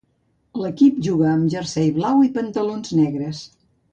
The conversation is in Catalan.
L'equip juga amb jersei blau i pantalons negres.